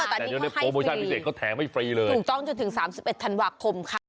ตอนนี้เขาให้ฟรีถูกจ้องจนถึง๓๑ธันวาคมค่ะ